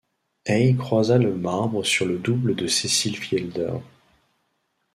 Hayes croisa le marbre sur le double de Cecil Fielder.